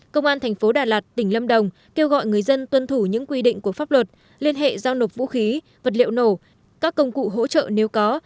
công an thành phố đà lạt tỉnh lâm đồng kêu gọi người dân tuân thủ những quy định của pháp luật liên hệ giao nộp vũ khí vật liệu nổ các công cụ hỗ trợ nếu có